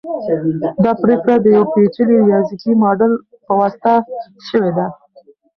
دا پریکړه د یو پیچلي ریاضیکي ماډل په واسطه شوې ده.